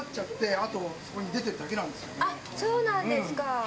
あっ、そうなんですかぁ。